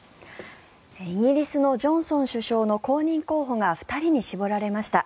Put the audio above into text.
イギリスのジョンソン首相の後任候補が２人に絞られました。